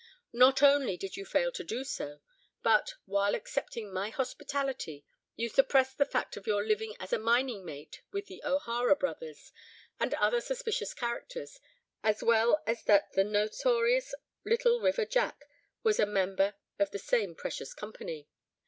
Not only did you fail to do so, but, while accepting my hospitality, you suppressed the fact of your living as a mining mate with the O'Hara brothers, and other suspicious characters, as well as that the notorious 'Little River Jack' was a member of the same precious company.